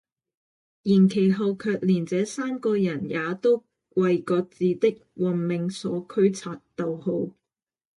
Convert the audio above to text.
而其後卻連這三個人也都爲各自的運命所驅策，